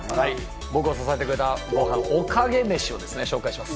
僕を支えてくれたご飯、おかげ飯を紹介します。